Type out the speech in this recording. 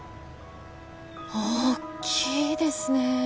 大きいですね。